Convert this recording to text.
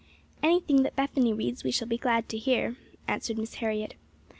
"Anything that Bethany reads we shall be glad to hear," answered Miss Harriet.